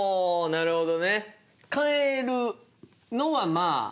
なるほど。